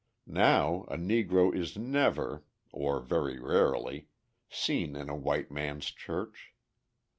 Now, a Negro is never (or very rarely) seen in a white man's church.